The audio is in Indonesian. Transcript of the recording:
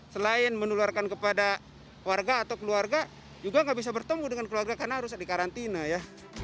selain menularkan kepada warga atau keluarga juga nggak bisa bertemu dengan keluarga karena harus dikarantina ya